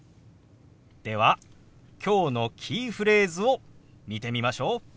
ではきょうのキーフレーズを見てみましょう。